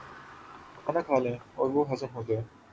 کھانا کھا لیں اور وہ ہضم ہو جائے۔